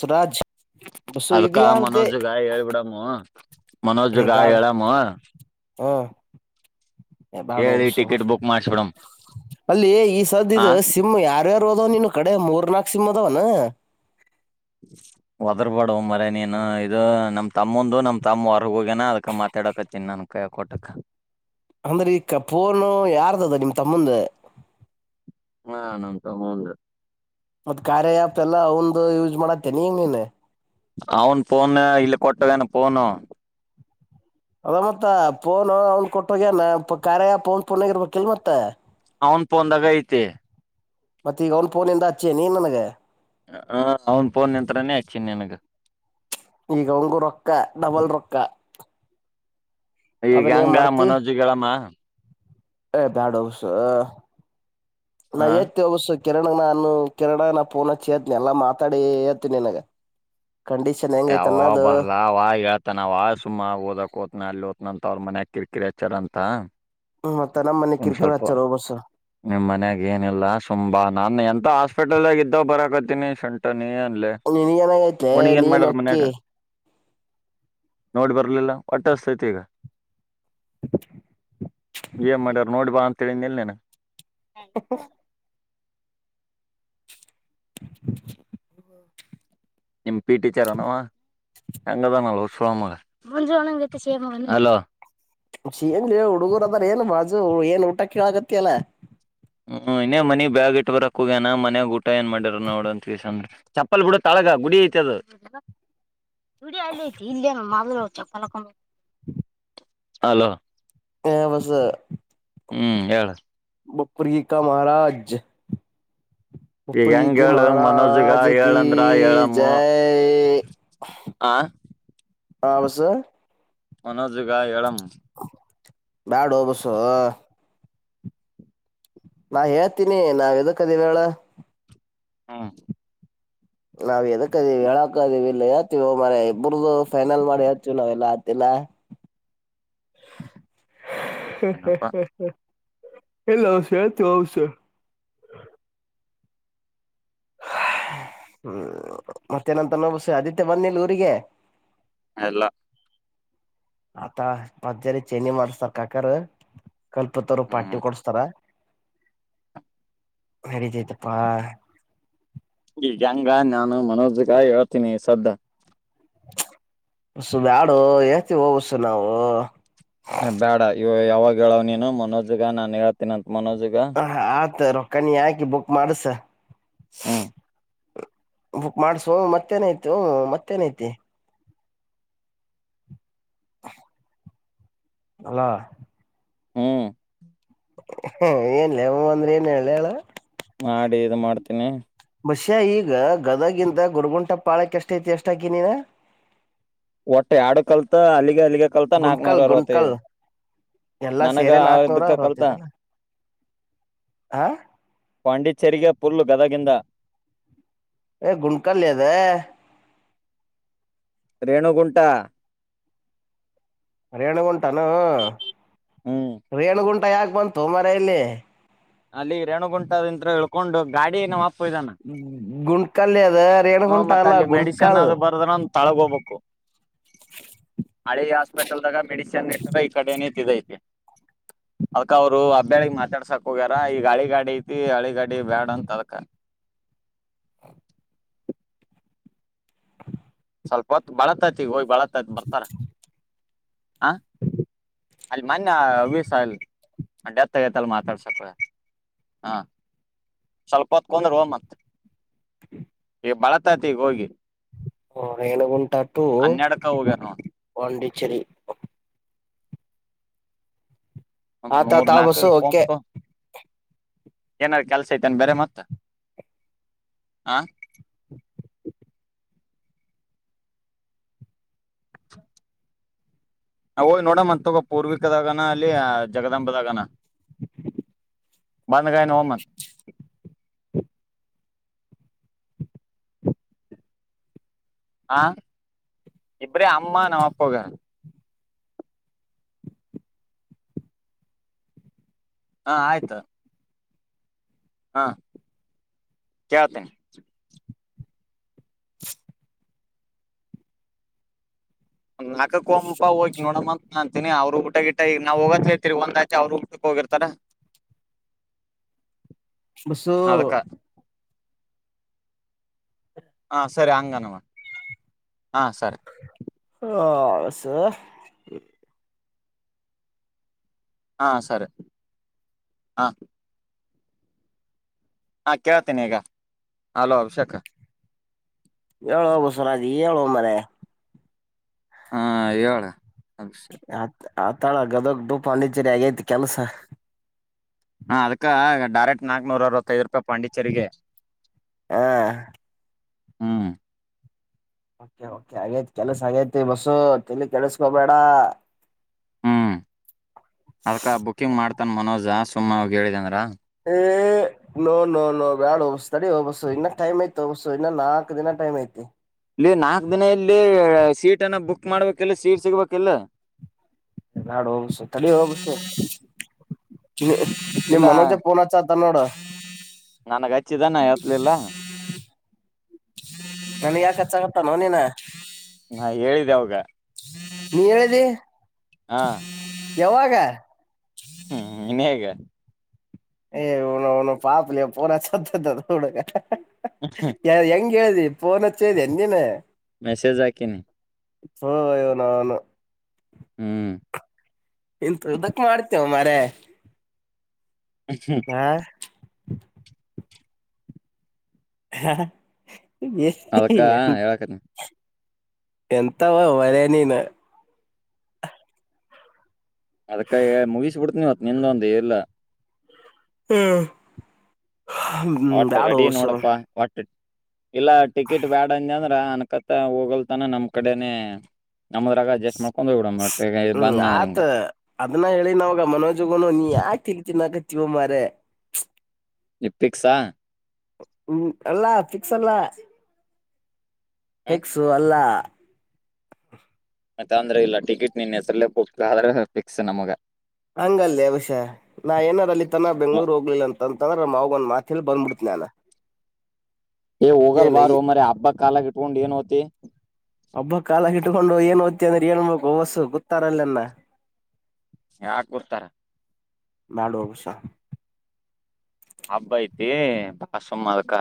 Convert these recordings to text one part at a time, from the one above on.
Suraj bus ಇದ ಅದಕ ಯಾವ್ದೇ ಮನೋಜ್ ಗಾಯ್ ಹೇಳ್ಬಿಡಮ್ಮ ಮನೋಜ್ ಗಾಯ ಹೇಳಮ್ಮ ಹಾ ಬ್ಯಾಡ ಹೇಳಿ ಹಬ್ಸು ಟಿಕೆಟ್ ಬುಕ್ ಮಾಡ್ಸ್ಬಿಡಮ್ ಅಲ್ಲಿ ಈ ಸದ ಆ ಇಿದ ಸಿಮ್ ಯಾರ್ಯಾರು ಅದೋ ನೀನು ಕಡೆ ಮೂರ್ನಾಕ ನಸಿದವನ ಒದರ್ಬಾಡ ಮರ ನೀನು ಇದು ನಮ್ ತಮ್ಮಂದು ನಮ್ ತಮ್ಮ ಹೊರ್ಗ ಹೋಗ್ಯನ ಅದಕ ಮಾತಾಡಕತ್ತೀನಿ ನನ್ ಕ ಕೊಟಕ್ಕ ಅಂದ್ರೆ ಈ ಕ ಪೋರ್ನು ಯಾರ್ದ ಅದ ನಿಮ್ ತಮ್ಮಂದ ಹಾ ನ ನಂತ ಮುಂದ ಮತ್ತ ಕಾರಾರೆ ಆಪ್ ಎಲ್ಲ ಅವಂದು ಯೂಸ್ ಮಾಡತ್ತೇ ನೀ ನೀನ್ನ ಅವನು ಫೋನು ಇಲ್ಲಿ ಕೊಟ್ಟವನು ಫೋನು ಅದ ಮತ್ತ ಪಫೋನ್ ಅವನ್ ಕೊಟ್ಟೋಗ್ಯನ ಕಾರ್ಯ ಪೋನ್ ಪೋನಗ ಇರ್ಬೇಕಿಲ್ ಮತ್ತ ಅವನ್ ಪಂದಾಗ ಐತೆ ಮತ್ತ ಈಗ ಒನ್ ಪಫೋನಿಂದ ಹಚ್ಚೇ ನೀ ನನ್ಗೆ ಹ ಅವನ್ ಫೋನ್ ನಿಂತ್ರನೇ ಹಚ್ಚಿನಿ ನಿನಗ ಈಗ ಒಂಗು ರೊಕ್ಕ ಡಬಲ್ ರೊಕ್ಕ ಈಗ ಹಂಗ ಮನೋಜಿಗಳಮ್ಮ ದಧಾಡವಸ ಹಾ ನಯ ಅಶ್ಯ ಕಿರಣ ನಾನು ಕಿರಣ ನ ಪೂನ ಚೇತನಿ ಎಲ್ಲಾ ಮಾತಾಡಿ ಹೇತನಿ ನಿನಗ ಕಂಡೀಷನ್ ಹೆಂಗೈತ್ ಯಾವ ಅನ್ನೋದು ಬರ್ಲ ಅವ ಹೇಳ್ತಾನಾವ ಸುಮ್ ಓದಕ್ ಹಓದ್ನ ಅಲ್ಲಿ ಓದ್ತನಂತ ಅವ್ರ ಮನ್ಯ ಕಿರಿಕಿರಿಾಚ್ಚಾರ ಅಂತ ಹ್ಮ ಒಂದ್ ಸ್ವಲ್ಪ ನಿಮ್ ಮನೆಗೆ ಏನಿಲ್ಲ ಸುಮ್ಮ ಬಾ ನಾನು ಎಂತ ಹಾಸ್ಪಿಟಲ್ ಆಗ ಬರಕತ್ತೀನಿ ಸುಂಟ ನೀ ಅನ್ಲೆ ನೀನ್ಗನಾಗೈತೆ ನೀನ್ ಅಕ್ಕಿ ನೋಡ್ ಬರ್ಲಿಲ್ಲ ಒಟ್ಟಸ್ತೈತಿ ಈಗ ಏನ್ ಮಡರ್ ಬಾ ಅಂತ ಹೇಳಿ ನೀಲ್ ನೀನು ಹ ಹ ನಿಮ್ ಪಿಟಿ ಟಿಚರ್ ಅವಾ ಹೆಂಗದಾನಲ್ ಹೂ ಮಗ ಹಲೋ ಎನ್ಲೆ ಹುಡುಗುರ ಅದರಾ ಏನ್ ಮಾಜು ಏನ್ ಊಟ ಕೇಳಗತ್ತ ಅಲ್ಲ ಹ್ಮ್ ಇನ್ನೇ ಮನಿಗ್ ಬ್ಯಾಗ್ ಇಟ್ಟ ಬರಕ್ ಹಗ್ಯನ ಮನ್ಯ ಊಟ ಏನ್ ಮಾಡಿರ ನೋಡಂತ ತಿಸನ್ ಚಪ್ಪಲ್ ಬಿಡ ಕೆಳಗ ಗುಡಿ ಇತದು ಗುಡಿ ಯಲ್ಲಿ ಐತಿ ಇಲ್ಲೇ ನ ಮದ ಅಲೋ ಹಲೋ ಹೇ ಬಸು ಹ್ಮ್ ಹೇಳ ಪ್ರರಿಕಾ ಮಹಾರಾಜ ಈಗ ಹೆಂಗ ಉಪ್ಪಾರಕಿ ಹೇಳು ಮನೋಜಗ ಮಹಾರಾಜ ಕೀ ಹೇಳಂದ್ರ ಹೇಳಮ್ಮ ಜೈ ಆ ಹ ಬಸು ಮನೋಜುಗ ಹೆಳಂ ಹ ಬ್ಯಾಡು ಓ ಬಸು ನಾ ಹೇಳ್ತೀನಿ ನಾವ್ ಎದಕ್ ಆದಿವಿ ಹೇಳು ಹಾ ನಾವ್ ಎದಕಧಿವಿ ಹೇಳಕ ಐಧೀವಿ ಇಲ್ಲ ಹೇಳ್ತೀವ ಮ ಇಬ್ರದು ಫೈನಲ್ ಮಾಡಿ ಹೇಳ್ತೀವಿ ನಾವೆಲ್ಲಾ ಹ ಹ್ಮ ಹ್ಮ ಏನಪ್ಪಾ ಹ್ಮ ಎಲ್ಲ ಅವಸ ಆತು ಅವಸ ಹ್ಮ್ ಮತ್ತೇನಂತ ನೋ ಬಸ ಆದಿತ್ಯ ಬಂದು ಇಲ್ಲ ಊರಿಗೆ ಇಲ್ಲ ಆತ ಪಜ್ಜರಿ ಚನ್ನಿ ಮಾಡಸ್ತಾರ್ ಕಾಕರ್ ಕಲ್ಪತರು ಹ್ಮ್ ಪಾರ್ಟಿ ಕೊಡಸ್ತಾರ ನಡಿತೈತಪ್ಪ ಹೆಂಗ ನಾನು ಮನೋಜ್ಗ ಹೇಳ್ತೀನಿ ಸದ್ಯ ಸು ಬ್ಯಾಡು ಹೇಳ್ತಿವ ಬಸು ನಾವು ಬೇಡ ಇವ ಯಾವಾಗ ಹೇಳವ್ ನೀನು ಮನೋಜ್ಗ ನಾನ್ ಹೇಳ್ತೀನಂತ ಮನೋಜ್ಗ ಆತ ನೀ ಹಾಕಿ ಬುಕ್ ಮಾಡಿಸು ಹ್ಮ ಬುಕ್ ಮಾಡ್ಸೋ ಮತ್ತೇನ ಐತಿ ಹೂ ಮತ್ತೇನೈತಿ [unintelligible] ಅಲ್ಲ ಹ್ಮ್ ಹ ಏನ್ಮ್ಮ ಅಂದ್ರೆ ಏನ್ ಹೇಳ ಹೇಳ ಮಾಡಿ ಇ ಮಾಡ್ತೀನಿ ಬಷ್ಯಾ ಈಗ ಗದಗಿಿಂದ ಗುರುಗುಂಟ ಪಾಳಕ್ಕೆ ಎಷ್ಟೈತಿ ಎಷ್ಟಾಕ ನೀನಾ ಒಟ್ಟೆ ಎಡು ಕಲ್ತ ಅಲ್ಲಿ ಅಲ್ಲಿಗೇ ಕಲ್ತಾನಾ ನಾಲ್ಕುನೂರ ಗುಂಡ್ಕಲ್ ಗುಂಡ್ಕಲ್ ಅರ್ವತೈದು [inaudible] ಎಲ್ಲಾ ಸೇರೆನ್ ನಾಕ್ನೂರ ನಾನಿನ್ಗೆ ಕಲ್ತನ ಅರವತ್ತೈದನ [inaudible] ಆ ಪಂಡಿಚರಿಗೆ ಫುಲ್ ಗದಾಗಿಂದ ಹೇ ಗುಂಡ್ಕಲ್ ಲೇ ಅದ ರೇಣುಗುಂಟಾ ರೇಣಗುಂಟಾನ ಹ್ಮ್ ವೇಣುಗುಂಟ ಯಾಕೆ ಬಂತು ಮಾರಾಯ ಇಲ್ಲಿ ಅಲ್ಲಿ ರೇಣುಗುಂಟದಂತ್ರ ಹೇಳ್ಕೊಂಡು ಗಾಡಿ ಅಪ್ಪ ಇದಾನ ಗುಂಟ್ಕಲ್ ಲೇ ಅದು ಹ ರೇಣುಗುಂಟ ಮತ್ ಅಲ್ಲ ಅಲ್ಲಿ ಮೆಡಿಸನ್ ಗುಂಟುಕಲ್ ಅದು ಬರ್ದ್ರ ತಳಗ ಹೋಗ್ಬೇಕು ಹಳಿ ಹಾಸ್ಪಿಟಲ್ದಾಗ ಮೆಡಿಸಿನ್ ಇಟ್ಟಾಗ ಈ ಕಡೆನೇ ತಿದ್ದೈತಿ ಅದಕ ಅವರು ಹಬ್ಬ್ಯಾಳಿಿಗೆ ಮಾತಾಡ್ಸಕ್ು ಹೋಗ್ಯಾರ ಈಗ ಹಳಿ ಗಾಡಿ ಐತಿ ಹಳಿ ಗಾಡಿ ಬ್ಯಾಡ ಅಂತ ಅಕ ಹ ಸ್ವಲ್ಪತ್ ಬಳತ್ತತಿ ಹೋಗಿ ಬಾಳ್ ಬರ್ತಾರಾ [inaudible] ಹಾ ಅಲ್ಲಿ ಮೊನ್ನಯ [unintelligible] ಅಲ್ಲಿ ಡೆತ್ ಆಗತ ಅಲ್ಲಿ ಮಾತಾಡ್ಸಕೇ ಹೋಗ್ಯಾನ ಅಲ್ಲಿ [inaudible] ಹಾ ಸ್ವಲ್ಪ ಕುಂಡ್ರು ಮತ್ತ [inaudible] ಬಳತೈತಿ ಈಗ ಹೋಗಿ ಹಾ ರೇಣುಗುಂಟ ಟು ಹನ್ನೆರಡಕ ಹೋಗ್ಯಾರ ನೋಡ್ ಪಂಡಿ ಸರಿ ಮೂರ್ ಆತಾತಾ ನಾಲ್ಕ ಬಸು ಓಕೆ ಕೊಂಪು ಏನಾರ ಕೆಲ್ಸ ಐತೇನ್ ಬೇರೆ ಮತ್ತ [inaudible] ಹಾ [inaudible] ಹೋಗಿ ನೋಡ ಮತ್ ತ ಪೂರ್ವಿಕದಗನ ಅಲ್ಲಿ ಜಗದಾಂಬೆದಾಗನ ಬಂದಗನ [unintelligible] ಹಾ [inaudible] ಇಬ್ರೇ ಅಮ್ಮ ನಮ್ಮ ಅಪ್ಪಗ ಹಾ ಆಯ್ತು ಹಾ [inaudible] ಕೇಳೀತೀನಿ [inaudible] ಹೋಗಿ ನೋಡಮ್ಮ ಅಂತ ಅವ್ರು ಊಟ ಗಿಟ್ಟ ಈಗ ನಾವ್ ಹೋಗತ್ರ್ತೀರಿಗ ಒಂದ್ ಗಂಟೆ ಅವ್ರು ಊಟಕ್ಕೆ ಹೋಗಿರ್ತಾರ ಬಸು ಅದಕ್ಕ ಹಾ ಸರಿ ಹಂಗನವಾ [inaudible] ಹಾ ಸರಿ ಹಾ [unintelligible] ಹಾ ಸರಿ [inaudible] ಹಾ ಹಾ ಕೇಳ್ತೇನಿ ಈಗ [inaudible] ಹಲೋ ಅಭಿಷೇಕ್ ಹೇಳುವ ಬಸವರಾಜು ಹೇಳೋ ಮಾರಾಯ ಹಾ ಹೇಳ್ ಅಭಿಷೇಕ್ ಆತ್ ಆತಾಳ ಗದಗ್ದು ಪಾಂಡಿಚೇರಿ ಆಗೈತಿ ಕೆಲ್ಸ ಹಾ ಅದಕ್ಕ ಡೈರೆಕ್ಟ್ ನಾಕ್ನೂರ ಅರವತ್ತೈದು ರೂಪಾಯಿ ಪಾಂಡಿಚೆರಿಗೆ ಹಾ ಹ್ಮ್ ಓಕೆ ಆಗೇತಿ ಕೆಲಸ ಆಗೈತಿ ಬಸು ತಲಿ ಕೆೇಳಸ್ಕೋಬೇಡ ಹ್ಮ್ ಅಲ್ಕ ಬುಕ್ಕಿಂಗ್ ಮಾಡ್ತನ್ ಮನೋಜ. ತುಮ್ಮ ಅವಾಗ ಹೇಳಿದೆ ಅಂದ್ರ. ಏ ನೋ ನೋ ನೋ ಬ್ಯಾಳ್ ಹಬಸ್ಸ ಅಡ ಹಬ್ಬಸ್ಸು ಇನ್ನ ಟೈಮ್ ಐತಿ ಹೋಗಬಸು ಇನ್ನ ನಾಲ್ಕ ದಿನ ಟೈಮ್ ಐತಿ. ಇಲ್ಲಿ ನಾಲ್ಕ್ ದಿನಲ್ಲಿ ಸೀಟನ್ನ ಬುಕ್ ಮಾಡ್ಬೇಕಲ್ಲ ಸೀಟ್ ಸಿಗ್ಬೇಕಲ್ಲ. ಬ್ಯಾಡೋ ಬಸ್ಸು ನಿ ಮನೋಜ ಪೋ. ಕನ್ನಡ. ನನಗ್ ಹಚ್ಚಿದಾನ ಎತ್ಲಿಲ್ಲ. ನನ್ಗ್ ಯಾಕೆಚ್ಚಾಗತ್ತ ನೋಡು ನೀನ ನಾ ಹೇಳಿದೆ ಅವಾಗ. ನೀ ಹೇಳದಿ. ಹಾ. ಯಾವಾಗ. ಹ್ಮ್ ಇನ್ ಹೇಗೆ. ಏ್ನ ಒನು ಪಾಪ್ಲಾ ಪನ ಸತ್ತದಡುಗ. ಯ ಹೆಂಗ. ಕಿ ಪನ ಚೇದ ಎನ್ಿನ. ಮೆಸೇಜ್ ಆಾಕಿನಿ. ಸವಯೋ ನಾನು. ಹ್ಮ್. ಎಂತ ಇದದಕ್ ಮಾಡ್ತೇವ ಮ ತೇ. ಹಾ. ಹ. ಅದಕ್ಕ ಹೇಳಕತಿನ್. ಎಂತಾವ ಮರನಿನ. ಅದಕ್ಕ ಮುವಿಸಸ್ ಬಿಡ್ತನವತ್ ನಿ ಒಂದು ಎಲ್ಲಾ. ಹ್ಮ್. ಒಟ್ಟ ಬ್ಯಾಡ ರೆಡಿ ಹೋಸು ನೋಡಪ್ಪಾ ಒಟ್ಟ. ಇಲ್ಲ ಟಿಕೆಟ್ ಬ್ಯಾಡ ಅಜ ಅಂದ್ರ ಅ. ಕಕತ ಹೋಗಲ್ತಾನ ನಮ್ ಕಡೆನೆೇ. ಹ್ಮ್ ಬಂದ್ ಅಂದ್ರ ಆತ ಹಿಂಗ ಅದ್ನ್ನ ಹೇಳಿ ನವಾಗ ಮನೋಜಗನು ನೀ ಯಾಕೆ ತಿನ್ ತಿನ್ನಾಕ. ತ್ಯು ಮರೆ. ನಿಪ್ಪಿಕ್ಸಾ. ಹ್ಮ ಎಲ್ಲಾ ಸ್ ಅಲ್ಲ ಹ್ಮ್ ಫಿಕ್ಸು ಅಲ್ಲ [unintelligible] ಮತ್ತ್ ಅಂದ್ರೆ ಇಲ್ಲ ಟಿಕೆಟ್ ನಿನ್ ಹೆಸರಲೆೇ ಬುಕ್ ಆದ್ರೆ ಫಿಕ್ಸ್ ನಮಗ ಹಂಗಲ್ಲಿ ವಿಷಃ ನಾ ಏನಾರ ಅಲ್ಲಿ ತನ ಹ್ಮ್. ಬೆಂಗ್ಳೂರು ಹೋಗ್ಲಿಲ್ಲ ಅಂತಂತ್ ಅಂತದ್ರೆ ನಮ್ ಮಾವುಗ ಒಂದ್ ಮಾತಲ್ಲಿ ಬಂದ್ಬಿಡ್ತ ನಾನ ಏ ಹೋಗಲ್ ಏನ್ ಈ ಬಾರೋ ಮಾರಾಯ ಹಬ್ಬ ಕಾಲ ಪುಂಡ ಏನುೋತಿ. ಒಬ್ಬ ಕಾಲ ಹ ಇಟ್ಕೊಂಡು ಏನ್ ಓ್ತಿ ಅಂದ್ರೆ ಹೇಳ್ಬೇಕು ವಸ್ಸು ಗೊತ್ತಾರಲ್ಲನ್ನ. ಯಾಕೆ ಕೊರ್ತಾರ. ಮಾಡಳುವುವಷ ಹಬ್ಬ ಐತಿ ಬಾ ಸುಮ್ಮ ಅದಕ್ಕ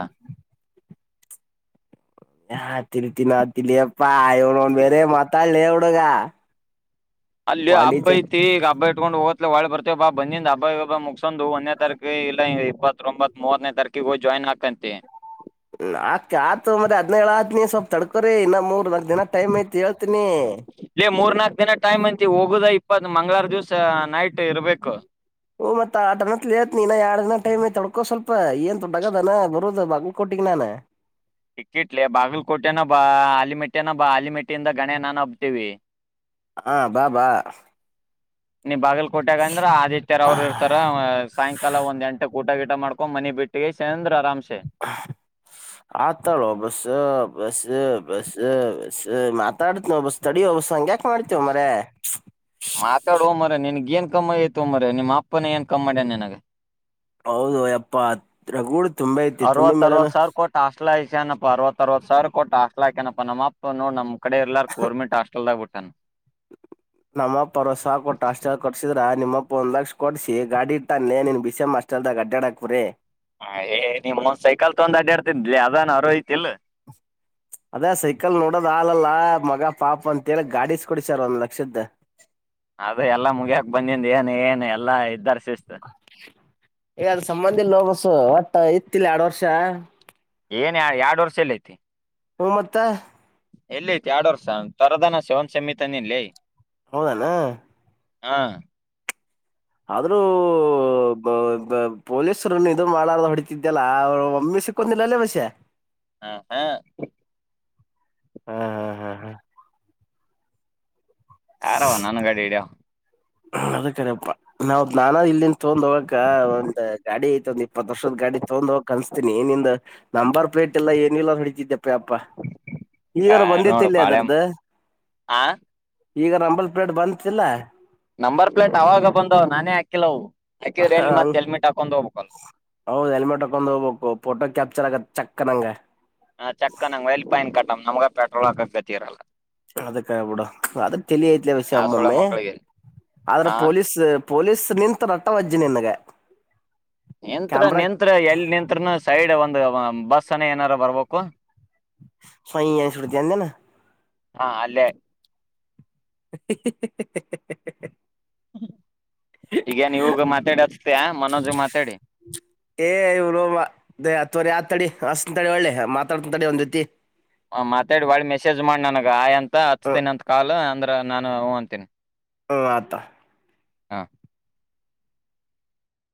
ಹ ತಿರು ತಿನ ತಿ. ಹ ಬೇರೆ ಮಾತಾ ಲೇ ಹುಡುಗ. ಅಲ್ಲಿ ಹಬ್ಬ ಪಾಂಡಿಚೇರಿ ಐತಿ ಈಗ ಹಬ್ಬ ಹಕೊಂಡ್ ಹೋಗ್ಲ ಒಳೆ ಬರ್ತವಿಬ್ಬ ಬಂದ ಹಬ್ಬಬ್ಬ ಮುಗಸೊಂಡ್ ಒಂದನೇ ತಾರಕ ಇಲ್ಲ ಇಪ್ಪತ್ೊಂಬತ್ವತ್ತನೇ ತಾರೀಕಿಗೆ ಹೋಗಿ ಜಾಯ್ನ್ ಹಾಕಂತಿ. ಆಕ ಆತತ್ ಮತ್ತೆ ಹದ್ನೇಳಳ್ ಆತ ನೀ ಸ್ವಲ್ಪ್ ತಡ್ಕೋರಿ ಇನ್ನ ಮೂರ್ ನಾಕ್ ದಿನ ಟೈಮ್ ಐತಿ ಹೇಳ್ ಇರ್ತೀನಿ ಲೇ ಮೂರ್ ನಾಕ್ ದಿನ ಟೈಮ್ ಅಂತ ಹೋಗುದ ಇಪ್ಪತ್ ಮಂಗ್ವಾರ ದಿವಸ ನೈಟ್ ಇರ್ಬೇಕು. ಓ್ ಮತ್ತತ್ ಆ ಟನತ್ ತ್ ಇನ ಎರಡ್ ದಿನ ಟೈಮ್ ತೊಕೋ ಸ್ವಲ್ಪ ಏನ್ ದೊಡ್ಡಗದನ ಬರೋದು ಬಾಗಲ್ಕ ಕೊಟ್ಟಿಗೆ ನಾನ. ಟಕ್ಕಿಟ್ಲೆೇ ಬಾಗಲಕೋಟೆನ ಬಾ ಆಲಿಮೆಟ್ಟನ ಬ ಹಲಿಮೆಟ್ಟಿಯಿಂದ ಗಣೆ ನಾನು ಹಬ್ತೀವಿ ಹಾ ಬಾ ಬಾ ನೀ ಬಾಗಲಕೋಟೆಗ ಅಂದ್ರ ಆದಿತ್ಯ ಅವ್ರು ಇರ್ತ ಸಾಯಂಕಾಲ ಒಂದ್ ಎಂಟ್ ಊಟ ಗಿಟ ಮಾಡ್ಕೊಂಡ್ ಮನೆಿ ಬಿಟ್ಟಿಗೆಸಿಂದ್ ಆತಳೋ ಬಸ ಬಸ ಬಸ ಬ ಸ್ಸ್ ಮಾತಾಡ್ನೋ ಬಸ್ ತಡೀಯೋ ಬಸ ಹಂಗ್ ಯಾಕ್ ಮಾಡ್ತೀಯೋ ಮಾರಾಯ ನಿನ್ಗ್ ಏನ್ ಕಮ್ಮ್ ಆಯತೊ ಮಾರಾಯ ನಿಮ್ಮ ಅಪ್ಪನ ಏನ್ ಕಮ್ಮ ಮಾಡ್ಯನ ನಿನ್ನಗ ಹೌದು ಯಪ್ಪಾ ಹತ್ರಗೂಡ್ ಅರವತ್ತ ಅರವತ್ ಸಾವಿರ ಕೊಟ್ಟ ಅಷ್ ಟ್ಲಾ ಅರವತ್ತು ಅರವತ್ ಸರ್ ಕೊಟ್ಟ ಅಸ್ಲಾಕ್ ಅಕ್ಯನ ನಮ್ಮಪ್ಪ ನೋಡ್ ನಮ್ಮ್ ಕಡೆ ಎಲ್ಲಾರ್ ಗರ್ಮಂಟ್ ಹಸ್ಟಲಾಗ್ [unintelligible] ನಮ್ಮ ಅಪ್ಪ ಅರವತ್ ಸಾವಿರ ಕೊಟ್ಟು ಹಾಸ್ಟೆಲ್ ಕಟ್ಟಸಿದ್ರೆ. ನಿಮ್ಮಪ್ಪ ಒಂದ್ ಲಕ್ಷ ಕೊಡ್ಸಿ ಗಾಡಿ ಇಟ್ಟಾನೆ ನೀನ್ ಬಿಸ ಅಸ್ಟೆಲ್ದಾಗ ಅಡ್ಡಕ್ುರೇ ಹ ಏ ನಿಮಂದ್ ಸೈಕಲ್ ತೊಂದ್ ಅಡ್ಡಾಡ್ತಿದ್ಲಿ ಅದಾನ ಅರೋ ಯತಿಲ್. ಅದೇ ಸೈಕಲ್ ನೋಡೋದ ಹಾಲಲ್ಲ ಮಗ ಪಾಪ ಅಂತೇಳಿ ಗಾಡಸ್ ಕೊಡಿ ಸರ್ ಒಂದ್ ಲಕ್ಷದ್ದ. ಅದ ಎಲ್ಲಾ ಮುಗಿಯಾಕ ಬಂದಂದು ಏನ್ ಏನ್ ಎಲ್ಲಾ ಇದ್ದಾರ್. ವಿಶೇಷತ ಈ ಅದ ಸಂಬಂಧಿಿಲ್ಲ ಬಸು ಒಟ್ಟ ಇತ್ತಿಲ್ಲ ಎರಡು ವರ್ಷ ಏನ್ ಎರಡ್ ವರ್ಷ ಎಲ್ಲ ಐತಿ. ಮ ಮತ್ತ ಎಲ್ಲಿ ಐತ್ ಎರಡ್ ವರ್ಷ ತರದನ ಶಿವನ್ ಸಮಿತನ ಇಲ್ಲಿ ಹೌದಣ ಹಾ ಆದ್ರೂ ಪೊಲೀಸರುನ್ನು ಇದರು ಮಾಡಾರ ಹೊಡಿತಿದ್ದ್ಯಲ್ಲ ಅವರು ಒಮ್ಮೆ ಸಿಕ್ಕೊಂಡಿಲ್ಲಲ್ಲೇ ಮಸೆ ಹಾ ಹಾ ಹ್ಮ್ ಹ್ಮ್ ಹ್ಮ್ ಹ್ಮ್ ಯಾರಾವ ನನ್ ಗಡೆ ಇಡ್ಯ ಅದಕ್ಕಡಪ್ಪಾ ನಾವ್ ನಾನ ಇಲ್ಲಿಂದ ತಗೊಂಡ್ ಹೋಗಕ ಒಂದ್ ಗಾಡಿ ಐತ ಒಂದ್ ಇಪ್ಪತ್ ವರ್ಷದ ಗಾಡಿ ತಗೊಂಡ್ ಹೋಗಕ್ ಕನ್ಸ್ತಿನನಿ ನಿಂದ ನಂಬರ್ ಪ್ಲೇಟ್ ಎಲ್ಲ ಏನಿಲ್ಲ ಹಡಿತಿದ್ದಪ್ಪ ಅಪ್ಪ ಅಪ್ಪ ಈಗಾರ ನೋಡು ಬಂದಿತಿಿಲ್ಲ ಬಾಳೆ ಅದರ್ದು. ಆ ಈಗ ನಂಬಲ್ ಪ್ಲೇಟ್ ಬಂತತಿಲ್ಲ ನಂಬರ್ ಪ್ಲೇಟ್ ಅವಾಗ ಬಂದವ್ ನಾನೇ ಹಾಕಿಲ್ಲವು ಹಾಕಿದ್ರ ಎಲ್ಲಿ ಮತ್ತ ಹಂಗ್- ಹೆಲ್ಮೆಟ್ ಹಾಕೊಂಡ್ ಹೋಗ್ಬೇಕಲ್ಲ ಹೌದ್ ಚಕ್ಕನಂಗ ಹ ಚಕ್ಕ ನಂಗ್ ಎಲ್ಲಿ ಪಾಯನ್ ಕಟ್ಟ ನಮ್ ನಮ್ಗ ಪೆಟ್ರೋಲ್ ಹಕಕ್ದ ಗತಿ ಇರಲ್ಲ ಅದಕ್ಕೆಬಿಡ ಅದ ತಲ ಐತ್ಲ ವಿಷಯ ಆ ಸುಳ ಒಮ್ಮೊಮ್ಮೆ ಮಕ್ಕಳಿಗೆ ಆದ್ರ ಹಾ ಪೊಲೀಸ್ ಪೊಲೀಸ್ ನಿತ್ು ರಟ್ಟ ಅಜ್ಜಿ ನಿನ್ಗೆ ನಂತ್ರ ನಿಂತ್ರ ಎಲ್ಲಿ ನಿಂತ್ರನು ಸೈಡ್ ಒಂದ ಒ ಬಸ್ಸನ ಏನಾರ ಬರ್ಬೇಕು ಸಾಯಯನ ಸುಟ್ಟ ಅಂದನು ಹಾ ಅಲ್ಲೇ [unintelligible] ಈಗನ್ ಇವಗ ಮಾತಾಡಿ ಅಸತಯ ಮನೋಜ್ ಮಾತಾಡಿ ಏ ಹಸ್ತಂತಡೆ ಒಳ್ಳೆ ಮಾತಾಡ್ತಡೆ ಒಂದ್ ರೀತಿ ಹ ಮಾತಾಡಿ ಭಾಳ ಮೆಸೇಜ್ ಮಾಡ್ ನನಗ ಆಯ್ ಅಂತ ಹ್ಮ್ ಹಚ್ತೇನೆ ಅಂತ ಕಾಲ ಅ ನಾನು ಹ ಅಂತೇನಿ ಹ ಅತ ಹಾ